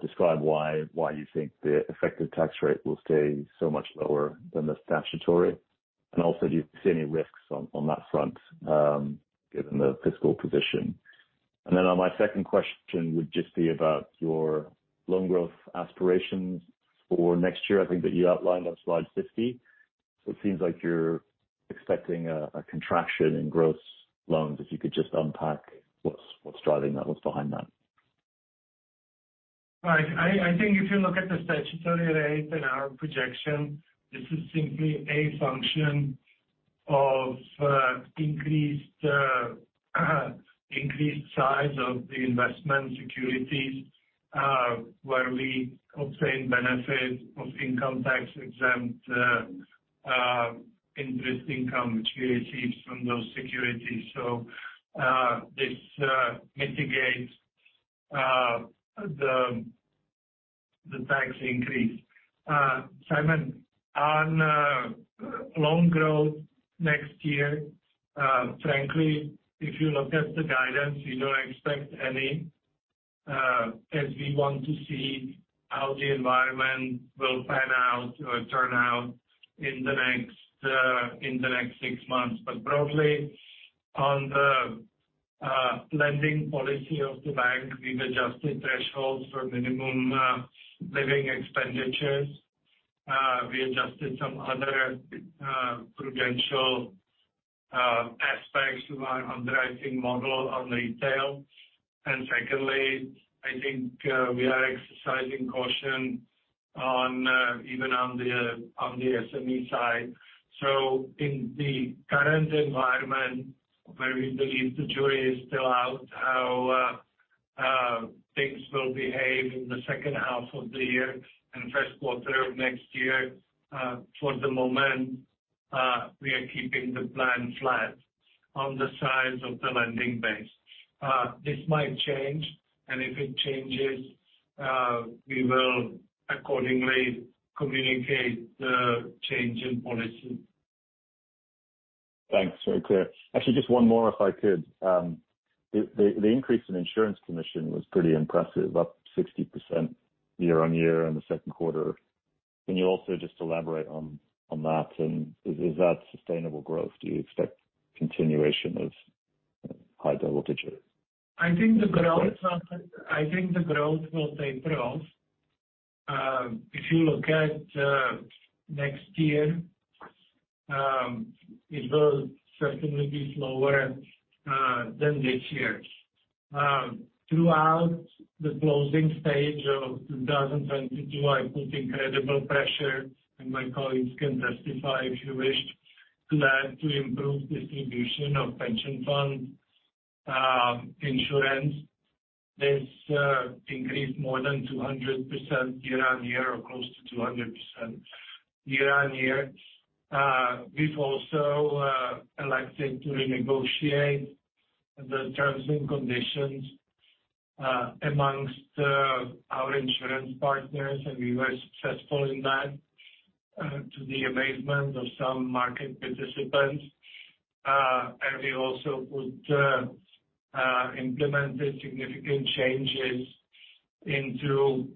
Speaker 6: describe why you think the effective tax rate will stay so much lower than the statutory? Also, do you see any risks on that front, given the fiscal position? On my second question would just be about your loan growth aspirations for next year. I think that you outlined on slide 50. It seems like you're expecting a contraction in gross loans, if you could just unpack what's driving that, what's behind that?
Speaker 2: Right. I think if you look at the statutory rate and our projection, this is simply a function of increased size of the investment securities, where we obtain benefit of income tax exempt interest income, which we received from those securities. This mitigates the tax increase. Simon, on loan growth next year, frankly, if you look at the guidance, we don't expect any as we want to see how the environment will pan out or turn out in the next in the next six months. Broadly, on the lending policy of the bank, we've adjusted thresholds for minimum living expenditures. We adjusted some other prudential aspects to our underwriting model on retail. Secondly, I think, we are exercising caution on, even on the SME side. In the current environment, where we believe the jury is still out, how things will behave in the second half of the year and first quarter of next year, for the moment, we are keeping the plan flat on the size of the lending base. This might change, and if it changes, we will accordingly communicate the change in policy.
Speaker 6: Thanks. Very clear. Actually, just one more, if I could. The increase in insurance commission was pretty impressive, up 60% year-on-year in the second quarter. Can you also just elaborate on that? Is that sustainable growth? Do you expect continuation of high double digits?
Speaker 2: I think the growth will taper off. If you look at next year, it will certainly be slower than this year. Throughout the closing stage of 2022, I put incredible pressure, and my colleagues can testify, if you wish, to that, to improve distribution of pension fund insurance. This increased more than 200% year-over-year, or close to 200% year-over-year. We've also elected to renegotiate the terms and conditions amongst our insurance partners, and we were successful in that to the amazement of some market participants. We also implemented significant changes into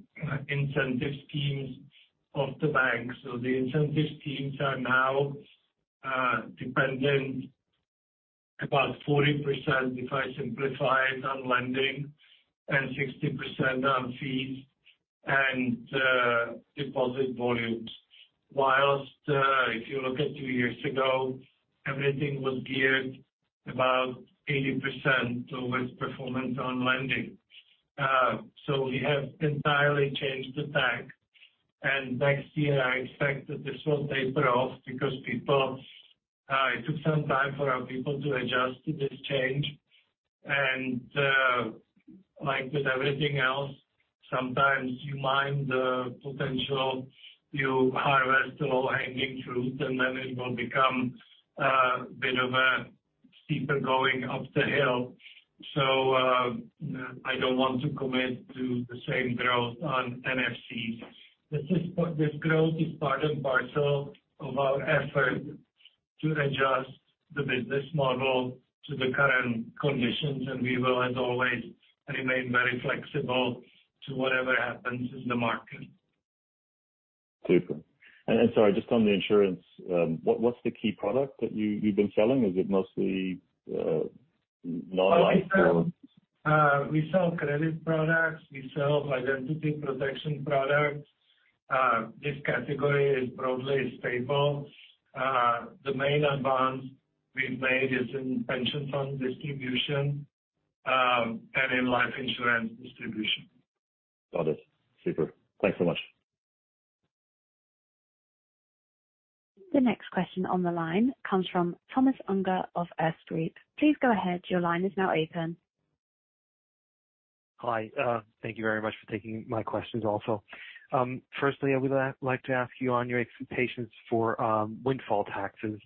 Speaker 2: incentive schemes of the bank. The incentive schemes are now dependent about 40%, if I simplify it, on lending, and 60% on fees and deposit volumes. Whilst, if you look at two years ago, everything was geared about 80% towards performance on lending. We have entirely changed the tack, and next year I expect that this will taper off, because people, it took some time for our people to adjust to this change. Like with everything else, sometimes you mine the potential, you harvest low-hanging fruit, and then it will become bit of a steeper going up the hill. I don't want to commit to the same growth on NFC. This is part. This growth is part and parcel of our effort to adjust the business model to the current conditions, and we will, as always, remain very flexible to whatever happens in the market.
Speaker 6: Super. Sorry, just on the insurance, what's the key product that you've been selling? Is it mostly, non-life or?
Speaker 2: We sell credit products, we sell identity protection products. This category is broadly stable. The main advance we've made is in pension fund distribution, and in life insurance distribution.
Speaker 6: Got it. Super. Thanks so much.
Speaker 1: The next question on the line comes from Thomas Unger of Erste Group. Please go ahead. Your line is now open.
Speaker 7: Hi. Thank you very much for taking my questions also. Firstly, I would like to ask you on your expectations for windfall taxes.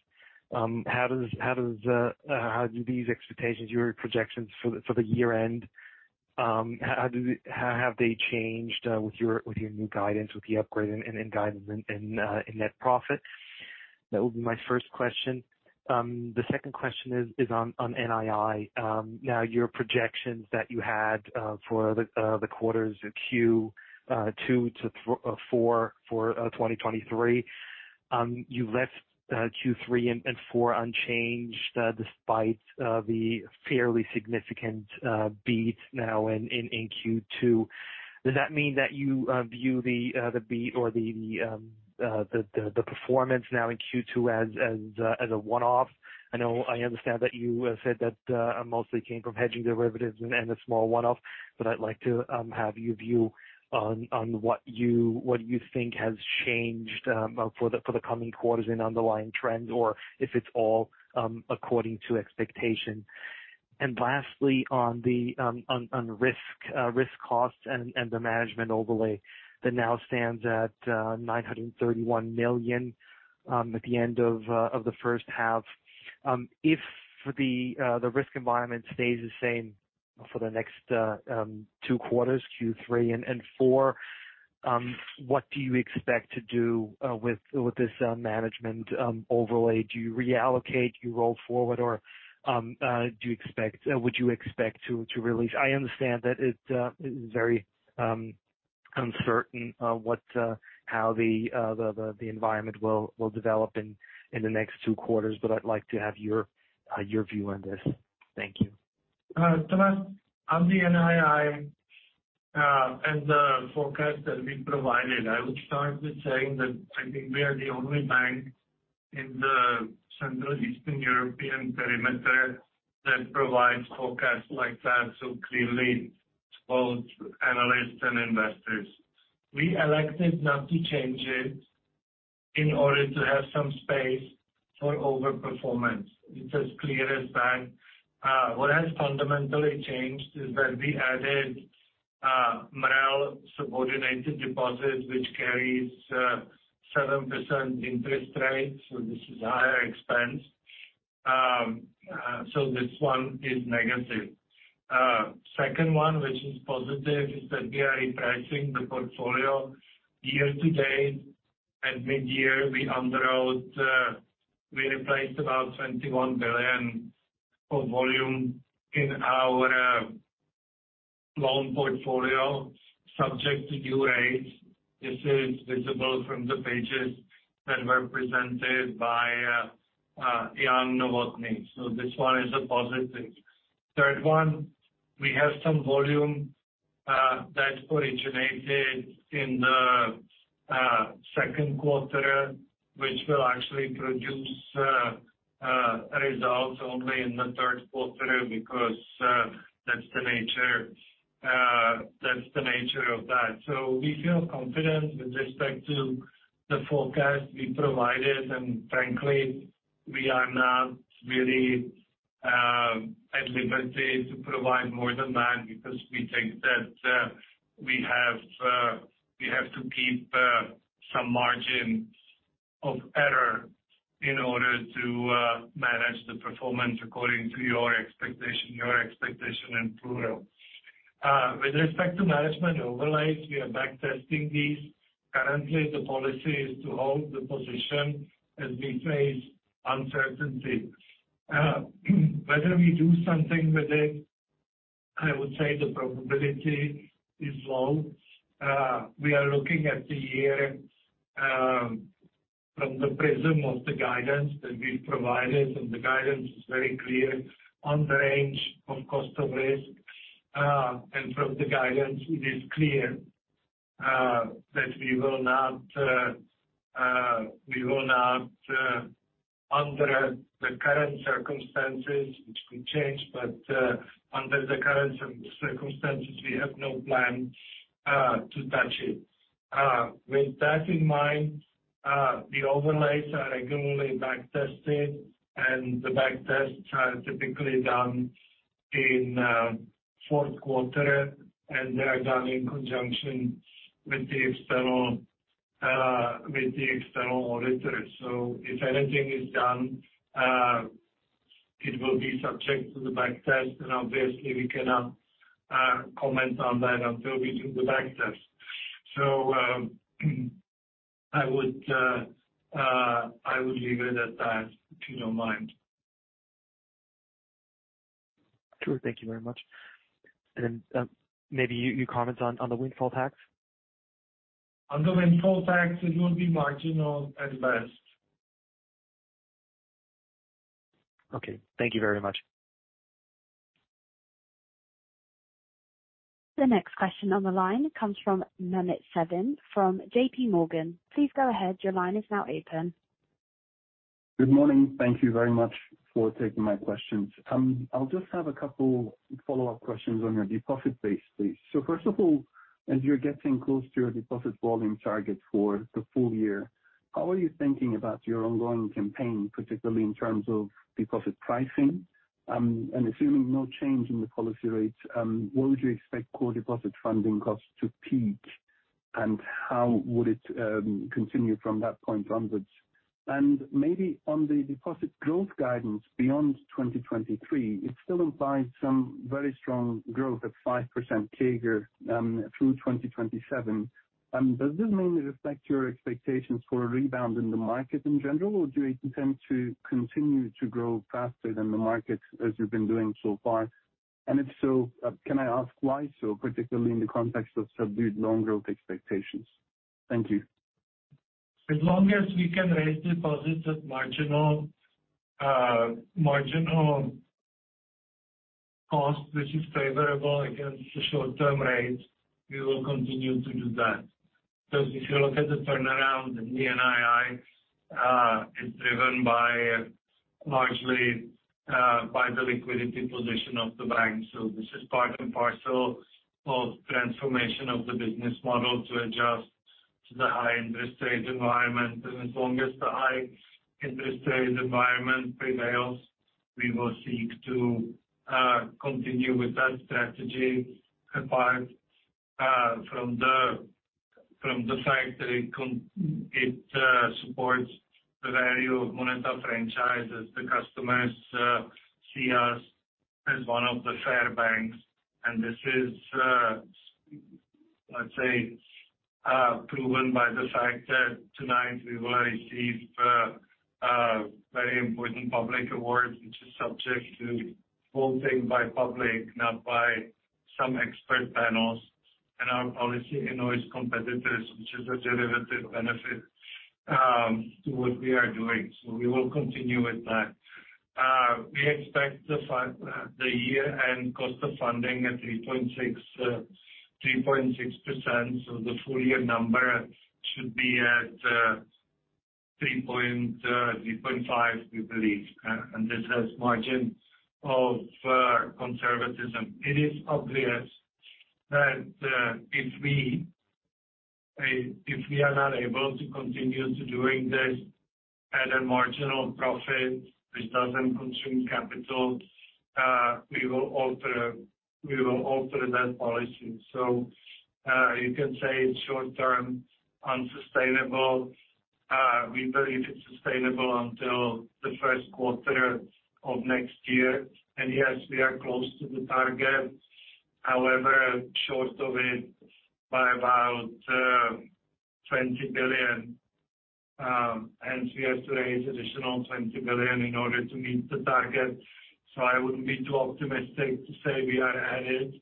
Speaker 7: How do these expectations, your projections for the year end, how have they changed with your new guidance, with the upgrade and guidance in net profit? That would be my first question. The second question is on NII. Now, your projections that you had for the quarters Q2-Q4 for 2023, you left Q3 and Q4 unchanged despite the fairly significant beat now in Q2. Does that mean that you view the beat or the performance now in Q2 as a one-off? I know, I understand that you said that mostly came from hedging derivatives and a small one-off, but I'd like to have your view on what you think has changed for the coming quarters in underlying trends, or if it's all according to expectation. Lastly, on risk costs and the managerial overlays that now stands at 931 million at the end of the first half. If the risk environment stays the same for the next two quarters, Q3 and Q4, what do you expect to do with this management overlay? Do you reallocate, do you roll forward, or would you expect to release? I understand that it is very uncertain how the environment will develop in the next two quarters, but I'd like to have your view on this. Thank you.
Speaker 2: Thomas, on the NII, and the forecast that we provided, I would start with saying that I think we are the only bank in the Central Eastern European perimeter that provides forecast like that. Clearly both analysts and investors. We elected not to change it in order to have some space for overperformance. It's as clear as that. What has fundamentally changed is that we added more subordinated deposits, which carries 7% interest rate, so this is higher expense. This one is negative. Second one, which is positive, is that we are repricing the portfolio year to date. At midyear, we underwrote, we replaced about 21 billion of volume in our loan portfolio, subject to due rates. This is visible from the pages that were presented by Jan Novotný. This one is a positive. Third one, we have some volume that originated in the second quarter, which will actually produce results only in the third quarter, because that's the nature, that's the nature of that. We feel confident with respect to the forecast we provided, frankly, we are not really at liberty to provide more than that because we think that we have to keep some margin of error in order to manage the performance according to your expectation, your expectation in plural. With respect to managerial overlays, we are back testing these. Currently, the policy is to hold the position as we face uncertainty. Whether we do something with it, I would say the probability is low. We are looking at the year from the prism of the guidance that we provided, and the guidance is very clear on the range of cost of risk. From the guidance, it is clear that we will not, we will not under the current circumstances, which could change, but under the current circumstances, we have no plan to touch it. With that in mind, the overlays are regularly back tested, and the back tests are typically done in fourth quarter, and they are done in conjunction with the external, with the external auditors. If anything is done, it will be subject to the back test, and obviously we cannot comment on that until we do the back test. I would, I would leave it at that, keep in mind.
Speaker 7: Sure. Thank you very much. Maybe you comment on the windfall tax?
Speaker 2: On the windfall tax, it will be marginal at best.
Speaker 7: Okay. Thank you very much.
Speaker 1: The next question on the line comes from Mehmet Sevim, from JPMorgan. Please go ahead. Your line is now open.
Speaker 8: Good morning. Thank you very much for taking my questions. I'll just have a couple follow-up questions on your deposit base, please. First of all, as you're getting close to your deposit volume target for the full year, how are you thinking about your ongoing campaign, particularly in terms of deposit pricing? Assuming no change in the policy rates, what would you expect core deposit funding costs to peak, and how would it continue from that point onwards? Maybe on the deposit growth guidance beyond 2023, it still implies some very strong growth of 5% CAGR through 2027. Does this mainly reflect your expectations for a rebound in the market in general, or do you intend to continue to grow faster than the market as you've been doing so far? If so, can I ask why so, particularly in the context of subdued loan growth expectations? Thank you.
Speaker 2: As long as we can raise deposits at marginal cost, which is favorable against the short-term rates, we will continue to do that. If you look at the turnaround in the NII, it's driven by largely by the liquidity position of the bank. As long as the high interest rate environment prevails, we will seek to continue with that strategy, apart from the fact that it supports the value of MONETA franchises. The customers see us as one of the fair banks, and this is, let's say, proven by the fact that tonight we will receive a very important public award, which is subject to voting by public, not by some expert panels. Our policy annoys competitors, which is a derivative benefit to what we are doing. We will continue with that. We expect the fact, the year-end cost of funding at 3.6%, so the full year number should be at 3.5%, we believe. This has margin of conservatism. It is obvious that if we, if we are not able to continue to doing this at a marginal profit which doesn't consume capital, we will alter that policy. You can say it's short-term, unsustainable. We believe it's sustainable until the first quarter of next year. Yes, we are close to the target, however, short of it by about 20 billion, hence we estimate additional 20 billion in order to meet the target. I wouldn't be too optimistic to say we are at it.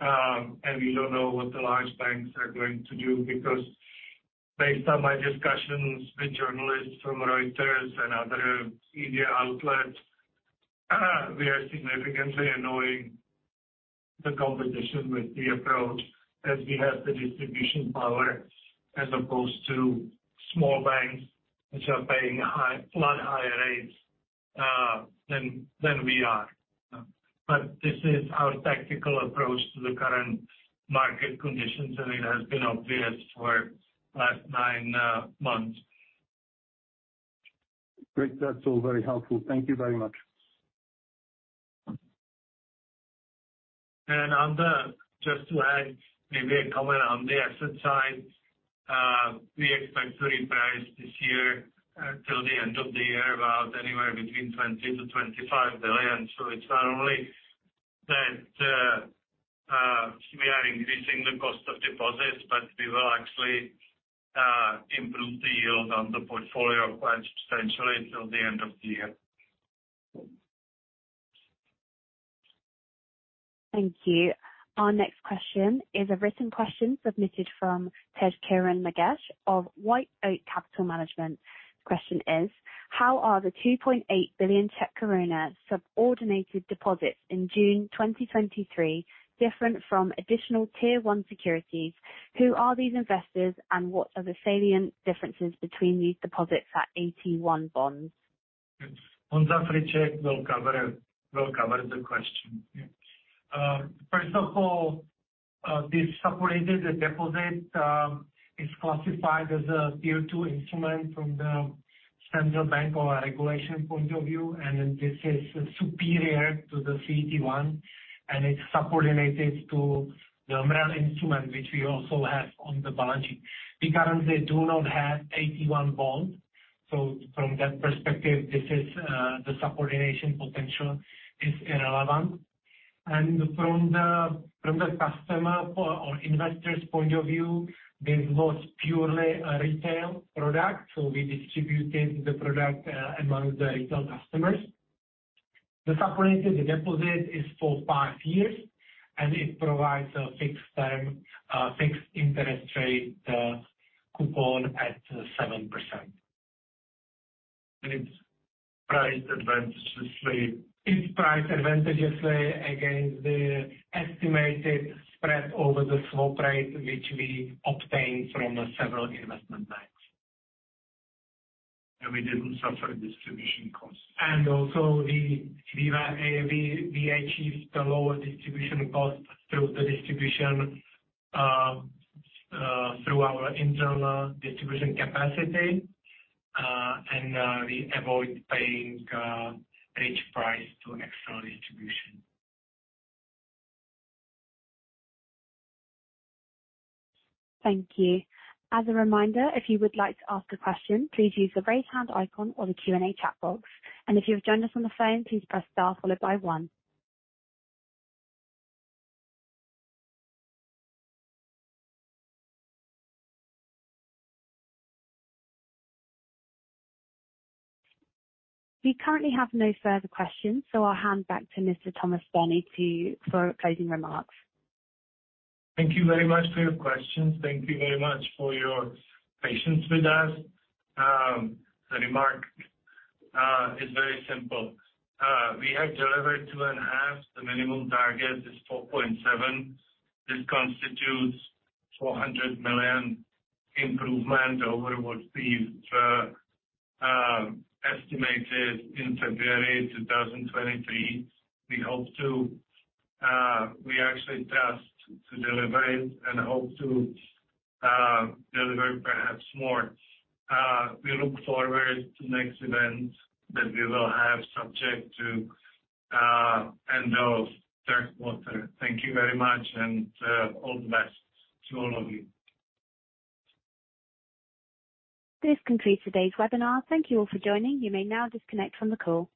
Speaker 2: And we don't know what the large banks are going to do, because based on my discussions with journalists from Reuters and other media outlets, we are significantly annoying the competition with the approach, as we have the distribution power, as opposed to small banks, which are paying high, lot higher rates than we are. This is our tactical approach to the current market conditions, and it has been obvious for the last nine months.
Speaker 8: Great. That's all very helpful. Thank you very much.
Speaker 2: On the... Just to add maybe a comment on the asset side. We expect to reprice this year, till the end of the year, about anywhere between 20 billion-25 billion. It's not only that, we are increasing the cost of deposits, but we will actually, improve the yield on the portfolio quite substantially until the end of the year.
Speaker 1: Thank you. Our next question is a written question submitted from Tejkiran Magesh of WhiteOak Capital Management. The question is: How are the 2.8 billion subordinated deposits in June 2023 different from additional tier one securities? Who are these investors, what are the salient differences between these deposits at AT1 Bonds?
Speaker 2: Yes. Honza Friček will cover the question.
Speaker 3: First of all, this subordinated deposit is classified as a Tier 2 instrument from the central bank or a regulation point of view, and then this is superior to the CET1, and it's subordinated to the MREL instrument, which we also have on the balance sheet. We currently do not have AT1 bond, so from that perspective, this is the subordination potential is irrelevant. From the customer or investor's point of view, this was purely a retail product, so we distributed the product among the retail customers. The subordinated deposit is for five years, and it provides a fixed term, fixed interest rate coupon at 7%. It's priced advantageously. It's priced advantageously against the estimated spread over the swap rate, which we obtained from several investment banks.
Speaker 2: We didn't suffer distribution costs.
Speaker 3: Also we achieved the lower distribution costs through the distribution through our internal distribution capacity, and we avoid paying bridge price to an external distribution.
Speaker 1: Thank you. As a reminder, if you would like to ask a question, please use the Raise Hand icon or the Q&A chat box. If you have joined us on the phone, please press star followed by one. We currently have no further questions, I'll hand back to Mr. Tomáš Spurný to you for closing remarks.
Speaker 2: Thank you very much for your questions. Thank you very much for your patience with us. The remark is very simple. We have delivered 2.5. The minimum target is 4.7. This constitutes 400 million improvement over what we've estimated in February 2023. We actually tasked to deliver it and hope to deliver perhaps more. We look forward to next event that we will have, subject to end of third quarter. Thank you very much, and all the best to all of you.
Speaker 1: This concludes today's webinar. Thank you all for joining. You may now disconnect from the call.